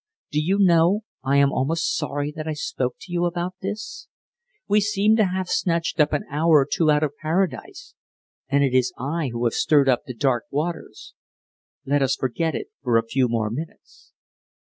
Do you know, I am almost sorry that I spoke to you about this! We seem to have snatched an hour or two out of Paradise, and it is I who have stirred up the dark waters. Let us forget it for a few more minutes!"